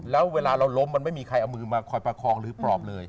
แล้วเวลาเราล้มมันไม่มีใครเอามือมาคอยประคองหรือปลอบเลย